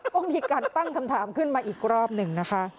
ก็มีการตั้งคำถามขึ้นมาอีกรอบหนึ่งนะคะ